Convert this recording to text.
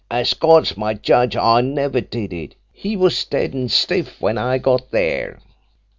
As God's my judge, I never did it. He was dead and stiff when I got there.'